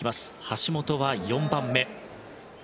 橋本は４番目。